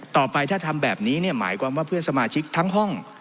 ต่อไปถ้าทำแบบนี้หมายความว่าเพื่อนสมาชิกทั้งห้อง